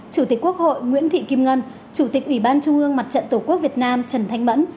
chủ tịch quốc hội nguyễn thị kim ngân chủ tịch ủy ban trung ương mặt trận tổ quốc việt nam trần thanh mẫn